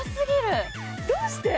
どうして？